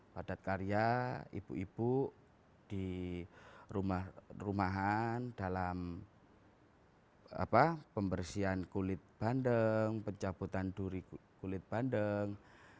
padat karya ibu ibu di rumahan dalam pembersihan kulit bandeng pencabutan duri kulit bandeng